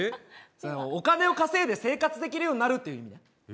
お金を稼いで生活できるようになるっていう意味。